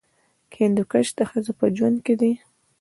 هندوکش د ښځو په ژوند کې دي.